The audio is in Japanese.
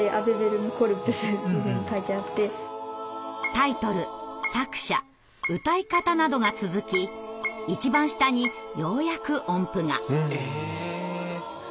タイトル作者歌い方などが続き一番下にようやく音符が。